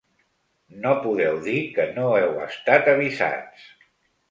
No podeu dir que no heu estat avisats.